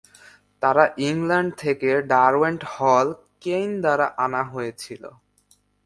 তারা ইংল্যান্ড থেকে Derwent Hall Kane দ্বারা আনা হয়েছিল।